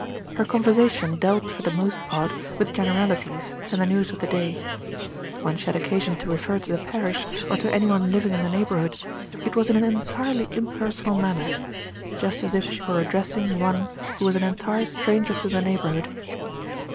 Her conversation dealt for the most part with generalities and the news of the day. When she had occasion to refer to the parish, or to any one living in the neighbourhood, it was in an en tirely impersonal manner, just as if she were addressing one who was an entire stranger to the neighbourhood.